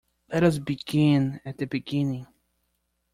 Let us begin at the beginning